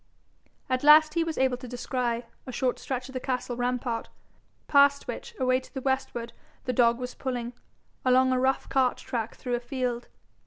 At last he was able to descry a short stretch of the castle rampart, past which, away to the westward, the dog was pulling, along a rough cart track through a field.